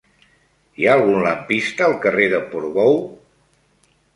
Hi ha algun lampista al carrer de Portbou?